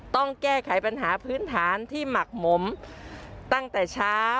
ต้องแก้ไขปัญหาพื้นฐานที่หมักหมมตั้งแต่เช้า